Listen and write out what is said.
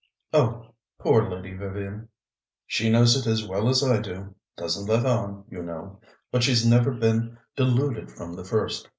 "Oh, poor Lady Vivian!" "She knows it as well as I do. Doesn't let on, you know, but she's never been deluded from the first.